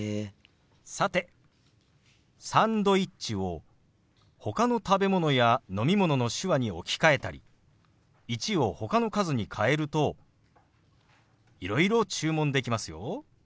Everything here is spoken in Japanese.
さて「サンドイッチ」をほかの食べ物や飲み物の手話に置き換えたり「１」をほかの数に変えるといろいろ注文できますよ。